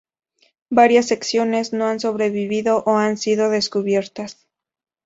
Varias secciones no han sobrevivido o han sido descubiertas.